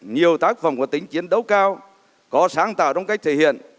nhiều tác phẩm có tính chiến đấu cao có sáng tạo trong cách thể hiện